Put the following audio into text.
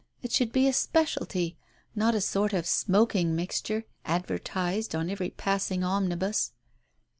It should be a speciality, not a sort of smoking mixture, advertised on every passing omnibus."